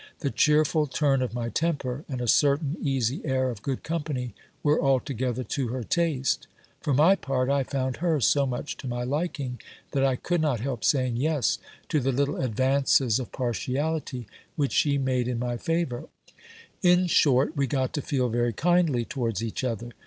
The cheerful turn of my temper and a certain easy air of good company were altogether to her taste ; for my part, I found her so much to my liking, that I could not help saying yes to the little advances of partiality which she made in my favour : in short, we got to feel very kindly towards each other.